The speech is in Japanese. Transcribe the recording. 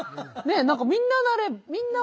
何かみんななれ。